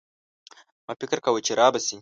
ما فکر کاوه چي رابه شي.